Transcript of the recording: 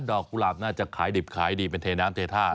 กุหลาบน่าจะขายดิบขายดีเป็นเทน้ำเทท่า